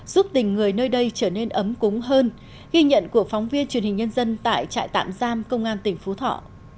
giúp tình người nơi đây trở nên ấm cúng hơn ghi nhận của phóng viên truyền hình nhân dân tại trại tạm giam công an tỉnh phú thọ